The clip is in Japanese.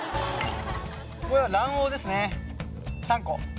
これは卵黄ですね３個。